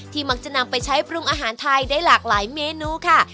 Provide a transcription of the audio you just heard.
มักจะนำไปใช้ปรุงอาหารไทยได้หลากหลายเมนูค่ะ